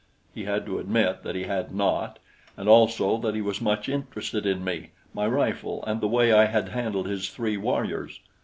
He had to admit that he had not, and also that he was much interested in me, my rifle and the way I had handled his three warriors.